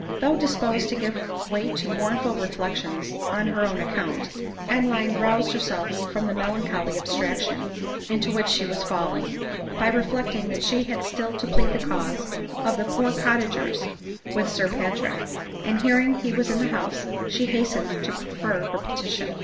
Though disposed to give way to mournful reflections on her own account, Adeline roused herself from the melancholy abstraction into which she was falling, by re flecting that she had still to plead the cause of the poor cottagers with Sir Patrick; and hearing he was in the house, she hastened to prefer her petition.